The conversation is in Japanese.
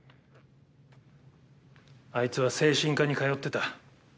あいつは精神科に通ってた。